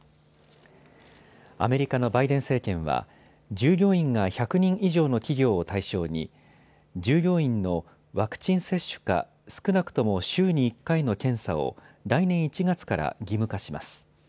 アメリカのバイデン政権は従業員が１００人以上の企業を対象に従業員のワクチン接種か少なくとも週に１回の検査を来年１月から義務化します。